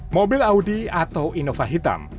mobil audi atau inova hitam